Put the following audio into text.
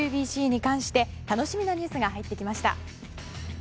ＷＢＣに関して楽しみなニュースが入ってきました。